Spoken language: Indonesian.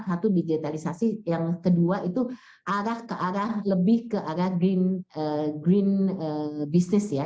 satu digitalisasi yang kedua itu arah ke arah lebih ke arah green business ya